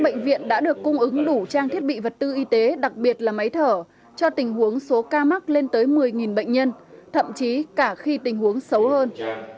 bệnh viện đã được cung ứng đủ trang thiết bị vật tư y tế đặc biệt là máy thở cho tình huống số ca mắc lên tới một mươi bệnh nhân thậm chí cả khi tình huống xấu hơn